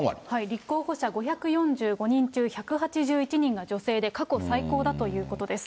立候補者５４５人中１８１人が女性で、過去最高だということです。